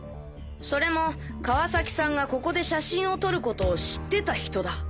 それも川崎さんがここで写真を撮ることを知ってた人だ。